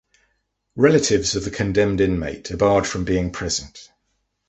Relatives of the condemned inmate are barred from being present.